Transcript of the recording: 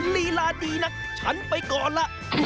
ลีลาดีนักฉันไปก่อนล่ะ